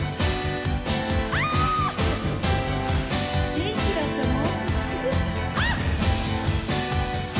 元気だったの？